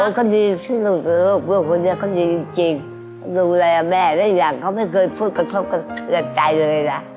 ก็ดีที่สุดลูกคนนี้เขาดีจริงดูแลแม่ได้อย่างเขาไม่เคยพูดกระทบกับใจเลยนะ